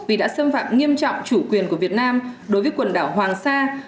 vì đã xâm phạm nghiêm trọng chủ quyền của việt nam đối với quần đảo hoàng sa